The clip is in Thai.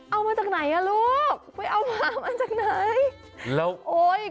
เอามาจากไหนลูกเอาหมามาจากไหน